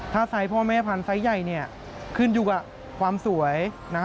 ถ้าไซส์พ่อแม่พันธ์ไซส์ใหญ่ขึ้นอยู่กับความสวย